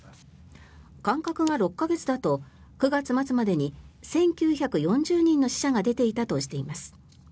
間隔が６か月だと９月末までに１９４０人の死者が出ていたとしています。